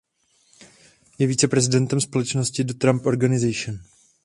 Je viceprezidentem společnosti The Trump Organization.